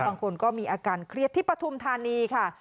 บางคนก็มีอาการเครียดที่ปฐุมธานีค่ะ